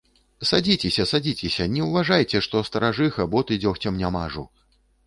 Садзіцеся, садзіцеся, не ўважайце, што старажыха, боты дзёгцем не мажу.